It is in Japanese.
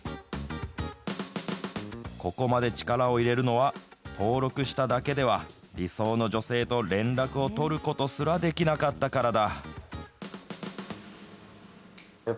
ここまで力を入れるのは、登録しただけでは理想の女性と連絡を取ることすらできなかったからだ。